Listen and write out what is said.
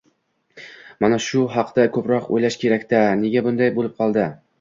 Mana shu haqda ko‘proq o‘ylash kerak-da: nega bunday bo‘lib qoldi?